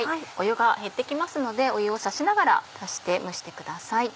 湯が減って来ますので湯を差しながら足して蒸してください。